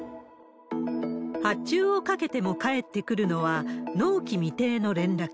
発注をかけても返ってくるのは、納期未定の連絡。